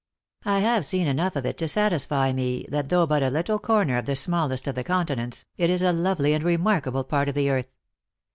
I have seen enough of it to satisfy me, that though but a little corner of the smallest of the continents, it is a lovely and remarkable part of the earth.